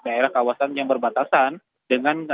daerah kawasan yang berbatasan dengan